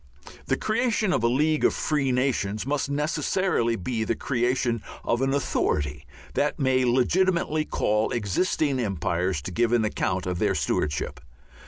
The creation of a League of Free Nations must necessarily be the creation of an authority that may legitimately call existing empires to give an account of their stewardship.